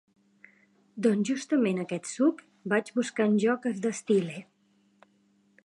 Doncs justament aquest suc, vaig buscant jo que es destil·le.